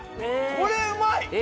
これうまい！